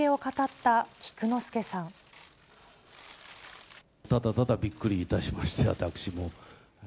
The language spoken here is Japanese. ただただびっくりいたしました、私も。